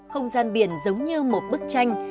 không gian biển giống như một bức tranh